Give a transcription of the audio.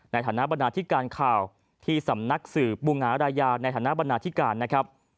ในฐานะบรรณาธิการข่าวที่สำนักสืบบูงหารายาในฐานะบรรณาธิการนะครับ